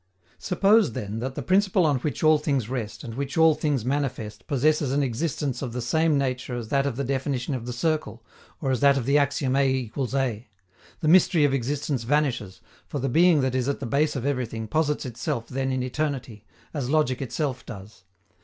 Suppose, then, that the principle on which all things rest, and which all things manifest possesses an existence of the same nature as that of the definition of the circle, or as that of the axiom A=A: the mystery of existence vanishes, for the being that is at the base of everything posits itself then in eternity, as logic itself does.